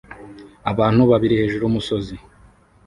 abantu babiri hejuru yumusozi